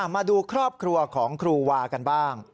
มาดูครอบครัวของครูวากันบ้าง